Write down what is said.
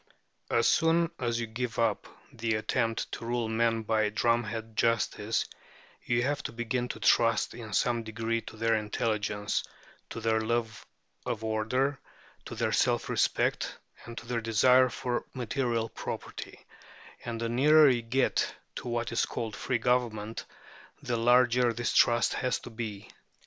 As soon as you give up the attempt to rule men by drumhead justice, you have to begin to trust in some degree to their intelligence, to their love of order, to their self respect, and to their desire for material prosperity, and the nearer you get to what is called free government the larger this trust has to be.